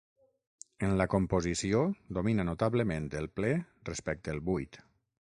En la composició domina notablement el ple respecte el buit.